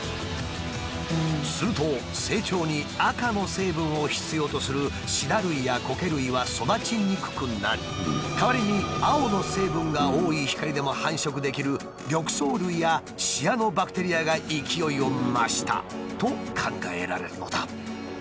すると成長に赤の成分を必要とするシダ類やコケ類は育ちにくくなり代わりに青の成分が多い光でも繁殖できる緑藻類やシアノバクテリアが勢いを増したと考えられるのだ。